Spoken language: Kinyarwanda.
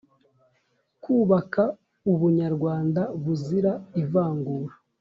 Kubaka ubunyarwanda buzira ivangura